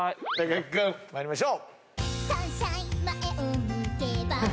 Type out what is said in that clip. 木君参りましょう。